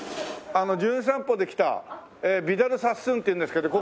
『じゅん散歩』で来たヴィダル・サスーンっていうんですけど。